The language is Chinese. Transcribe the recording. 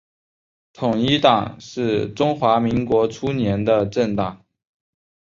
统一党是中华民国初年的政党。